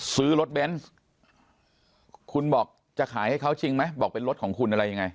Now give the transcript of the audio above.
ซื้อรถเบนส์คุณบอกจะขายให้เขาจริงไหมบอกเป็นรถของคุณอะไรยังไง